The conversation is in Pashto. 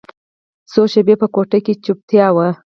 څو شېبې په کوټه کښې چوپتيا وه.